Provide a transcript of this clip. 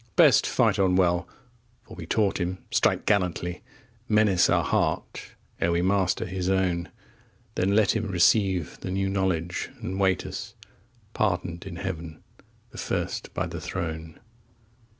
Best fight on well, for we taught him strike gallantly, Menace our heart ere we master his own; 30 Then let him receive the new knowledge and wait us, Pardoned in heaven, the first by the throne!